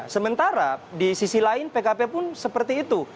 sementara di sisi lain pkb pun seperti itu